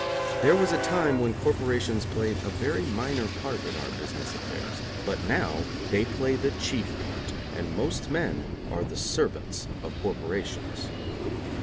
There was a time when corporations played a very minor part in our business affairs, but now they play the chief part, and most men are the servants of corporations.